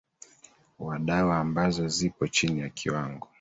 wa dawa ambazo zipo chini ya kiwango